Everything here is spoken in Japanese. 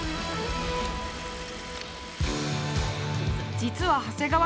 実は長谷川さん。